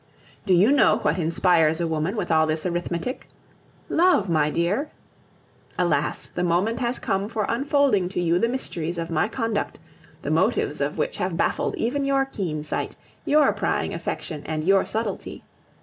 Do you know what inspires a woman with all this arithmetic? Love, my dear! Alas! the moment has come for unfolding to you the mysteries of my conduct, the motives of which have baffled even your keen sight, your prying affection, and your subtlety.